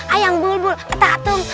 ayam bulbul atahatung